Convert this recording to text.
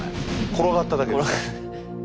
転がっただけです。